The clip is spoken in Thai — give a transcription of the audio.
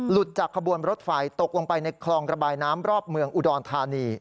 จากขบวนรถไฟตกลงไปในคลองระบายน้ำรอบเมืองอุดรธานี